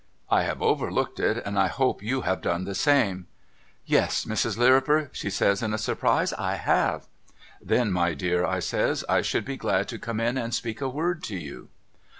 I have overlooked it and I hope you have done the same.' ' Yes Mrs. Lirriper ' she says in a surprise * I have.' ' Then my dear ' I says ' I should be glad to come in and speak a word to you.'